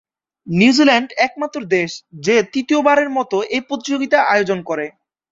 New Zealand একমাত্র দেশ যে তৃতীয়বারের মত এ প্রতিযোগিতা আয়োজন করে।